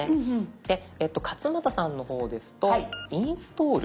勝俣さんの方ですと「インストール」。